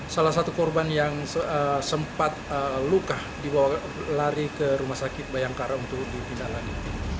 salah satu korban yang sempat luka dibawa lari ke rumah sakit bayangkara untuk dipindah lagi